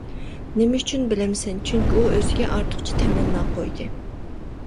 نېمە ئۈچۈن بىلەمسەن؟ چۈنكى، ئۇ ئۆزىگە ئارتۇقچە تەمەننا قويدى.